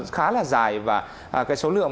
khá là dài và số lượng